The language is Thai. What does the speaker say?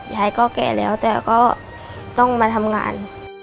ยายก็แก่แล้วแต่ก็ต้องมาทำงาน